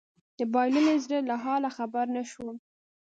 د بايللي زړه له حاله خبر نه شوم